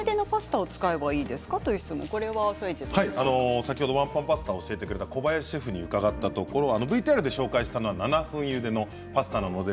先ほどワンパンパスタを教えてくれた小林シェフに伺ったところＶＴＲで紹介したのは７分ゆでのパスタです。